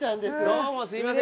どうもすいません。